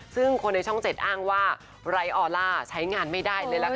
ซึ่งคนในช่อง๗อ้างว่าไร้อใช้งานไม่ได้เลยล่ะค่ะ